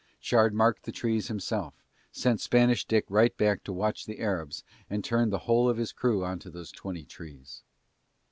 Shard marked the trees himself, sent Spanish Dick right back to watch the Arabs and turned the whole of his crew on to those twenty trees.